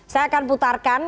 saya akan putarkan